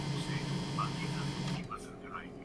فواد اور دپیکا کی خفیہ چھٹیاں